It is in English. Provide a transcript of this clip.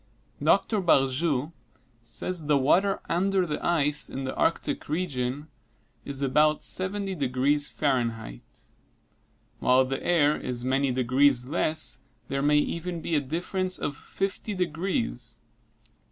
Dr. Barjou says the water under the ice in the Arctic region is about 70 degrees Fahrenheit. While the air is many degrees less, there may even be a difference of 50 degrees.